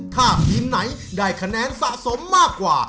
ถ้าทีมไหนได้คะแนนสะสมมากกว่า